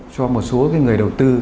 cho một số người đầu tư